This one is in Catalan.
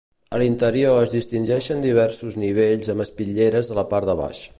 A l'interior es distingeixen diversos nivells amb espitlleres a la part de baix.